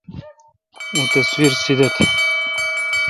او تصویر سیدہ تھ۔